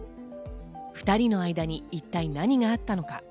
２人の間に一体何があったのか。